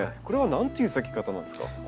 これは何という咲き方なんですか？